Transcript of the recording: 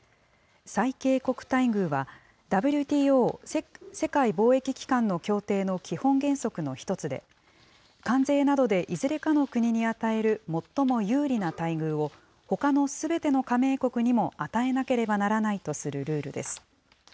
最恵国待遇は、ＷＴＯ・世界貿易機関の協定の基本原則の１つで、関税などでいずれかの国に与える最も有利な待遇を、ほかのすべての加盟国にも与えなければならないとするルールです。